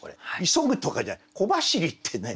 急ぐとかじゃない「小走り」ってね。